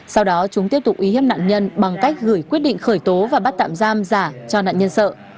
sau đó chúng tiếp tục uy hiếp nạn nhân bằng cách gửi quyết định khởi tố và bắt tạm giam giả cho nạn nhân sợ